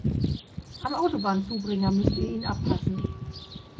Am Autobahnzubringer müsst ihr ihn abpassen.